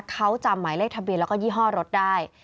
เขาจำหมายเลขทะเบียนแล้วก็ยี่ห้อรถได้